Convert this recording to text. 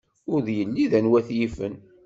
Ur yelli d anwa t-yifen.